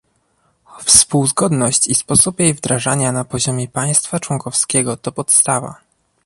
Współzgodność i sposób jej wdrażania na poziomie państwa członkowskiego to podstawa